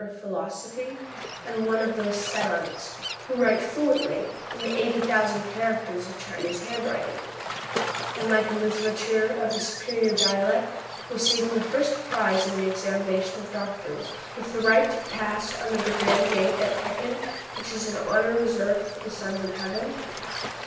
of philosophy, and one of those savants who write fluently in the eighty thousand characters of Chinese handwriting, and like a littérateur of the superior dialect receiving the first prize in the examination of doctors, with the right to pass under the grand gate at Pekin, which is an honor reserved for the Sons of Heaven